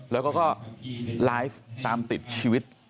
แล้วก็ไลฟ์ตามติดชีวิต